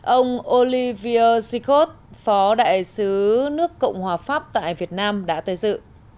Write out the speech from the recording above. ông olivier zikot phó đại sứ nước cộng hòa pháp tại việt nam đã tới dự